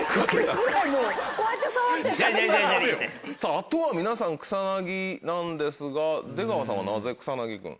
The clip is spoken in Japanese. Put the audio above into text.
あとは皆さん草薙なんですが出川さんはなぜ草薙君？